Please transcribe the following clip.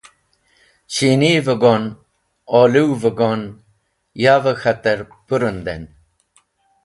Shini’v go’n, olũw go’n, yav e k̃hater pũrũnden.